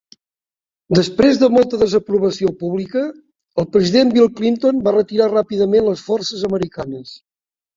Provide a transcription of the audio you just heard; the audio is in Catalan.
Després de molta desaprovació pública, el president Bill Clinton va retirar ràpidament les forces americanes.